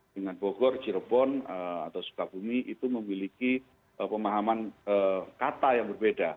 dengan bogor cirebon atau sukabumi itu memiliki pemahaman kata yang berbeda